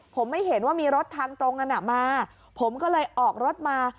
ผมไม่เห็นว่ามีรถทางตรงนั้นมาผมก็เลยออกรถมา